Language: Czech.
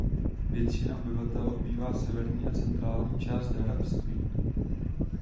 Většina obyvatel obývá severní a centrální část hrabství.